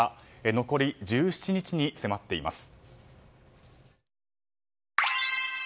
残り１７日に迫っています。